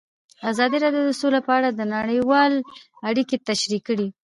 ازادي راډیو د سوله په اړه نړیوالې اړیکې تشریح کړي.